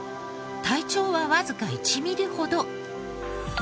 体長はわずか１ミリほど。